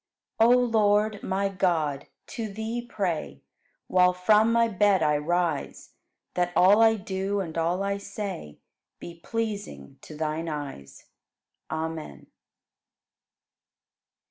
5. O Lord, my God, to Thee pray While from my bed I rise That all I do and all I say Be pleasing to Thine eyes. Amen.